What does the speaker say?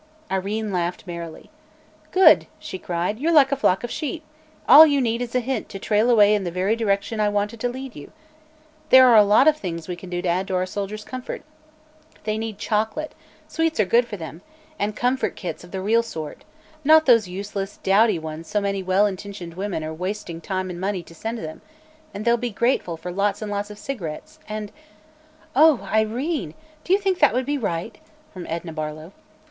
Irene laughed merrily. "Good!" she cried; "you're like a flock of sheep: all you need is a hint to trail away in the very direction I wanted to lead you. There are a lot of things we can do to add to our soldiers' comfort. They need chocolate sweets are good for them and 'comfort kits' of the real sort, not those useless, dowdy ones so many well intentioned women are wasting time and money to send them; and they'll be grateful for lots and lots of cigarettes, and " "Oh, Irene! Do you think that would be right?" from Edna Barlow.